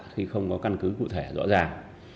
khi không có căn cứ cụ thể rõ ràng